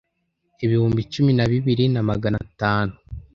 ibihumbi cumi na bibiri na magana atanu